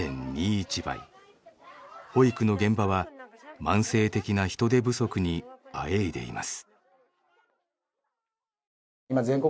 保育の現場は慢性的な人手不足にあえいでいます。